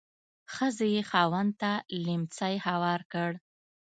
ښځې یې خاوند ته لیهمڅی هوار کړ.